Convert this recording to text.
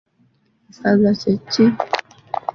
Essaazi kye ki?